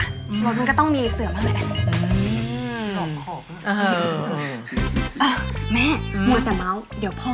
รถนั้นก็ต้องมีเสื่อมาเลย